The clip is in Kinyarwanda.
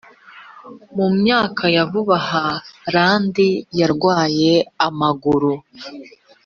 mu myaka ya vuba aha randi yarwaye amaguru